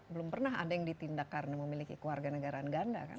belum pernah ada yang ditindak karena memiliki warga negara yang ganda kan